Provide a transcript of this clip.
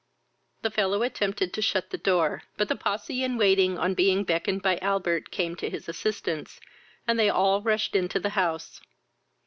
The fellow attempted to shut the door, but the posse in waiting, on being beckened by Albert, came to his assistance, and they all rushed into the house.